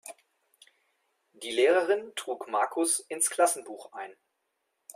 Die Lehrerin trug Markus ins Klassenbuch ein.